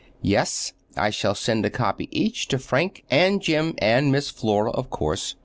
"Yes. I shall send a copy each to Frank and Jim and Miss Flora, of course.